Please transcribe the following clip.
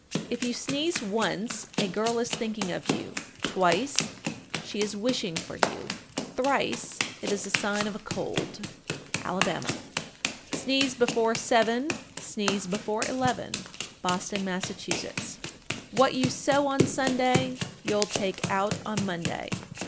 If you sneeze once, a girl is thinking of you; twice, she is wishing for you; thrice, it is a sign of a cold. Alabama. 1434. Sneeze before seven, Sneeze before eleven. Boston, Mass. 1435. What you sew on Sunday, you'll take out on Monday.